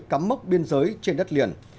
cắm mốc biên giới trên đất liền